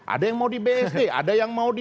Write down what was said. ada yang mau di bsd ada yang mau di